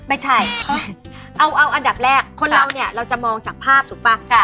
ไม่ใช่เอาอันดับแรกคนเราเนี่ยเราจะมองจากภาพถูกป่ะ